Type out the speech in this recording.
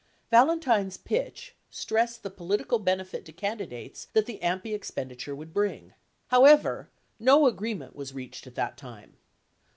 Valentine's pitch stressed the political benefit to candidates that the AMPI expenditure would bring. How ever, no agreement was reached at that time.